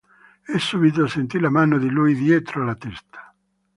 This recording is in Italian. E subito sentì la mano di lui dietro la testa.